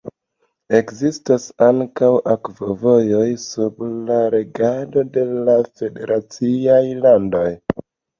Ekzistas ankaŭ akvovojoj sub la regado de la federaciaj landoj.